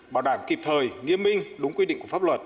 bảo đảm kịp thời nghiêm minh đúng quy định của pháp luật